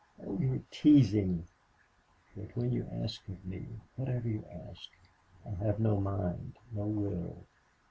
"Oh, you're teasing! Yet when you ask of me whatever you ask I have no mind no will.